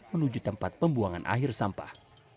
menuju tempat pembuangan akhir sampah